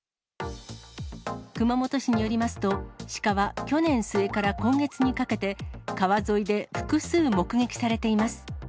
熊本市によりますと、シカは去年末から今月にかけて、川沿いで複数目撃されています。